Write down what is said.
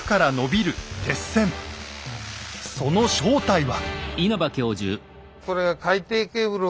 その正体は。